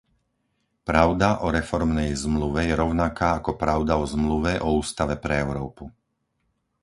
Pravda o reformnej zmluve je rovnaká ako pravda o Zmluve o Ústave pre Európu.